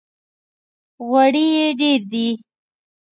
غوړي یې ډېر دي!